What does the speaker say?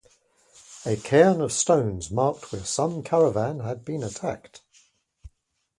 A cairn of stones marked where some caravan had been attacked.